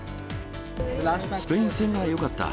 スペイン戦がよかった。